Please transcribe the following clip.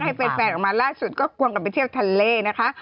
ให้แฟนออกมาล่าสุดก็ควงกันไปเที่ยวทะเลนะคะ